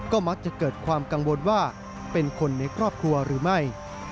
ก็มักจะเกิดความกังวลว่าเป็นคนในครอบครัวหรือไม่